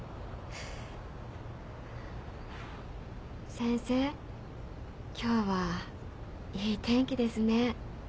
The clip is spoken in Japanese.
先生今日はいい天気ですねえ。